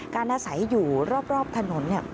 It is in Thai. อาศัยอยู่รอบถนน